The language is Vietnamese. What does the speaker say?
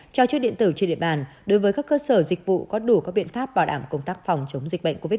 cho chiếc điện tử trên địa bàn đối với các cơ sở dịch vụ có đủ các biện pháp bảo đảm công tác phòng chống dịch bệnh covid một mươi chín